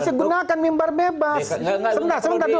pasti gunakan imbar bebas